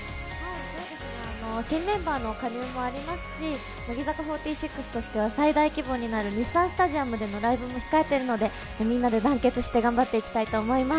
新メンバーの加入もありますし、乃木坂４６としてはライブも控えているのでみんなで団結して頑張っていきたいと思います。